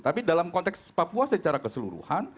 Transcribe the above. tapi dalam konteks papua secara keseluruhan